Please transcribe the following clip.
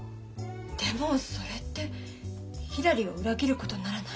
でもそれってひらりを裏切ることにならない？